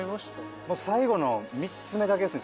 最後の３つ目だけですね。